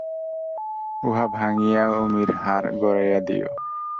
উহা ভাঙিয়া উমির হার গড়াইয়া দিয়ো।